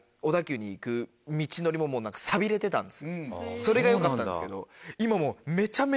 それがよかったんですけど。